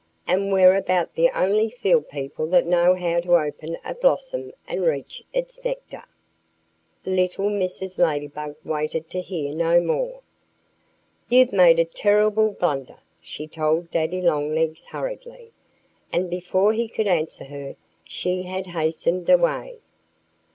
And we're about the only field people that know how to open a blossom and reach its nectar." Little Mrs. Ladybug waited to hear no more. "You've made a terrible blunder!" she told Daddy Longlegs hurriedly. And before he could answer her she had hastened away.